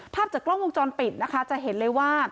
ภาพจากกล้องวงจรปิดนะคะจะเห็นเลยว่า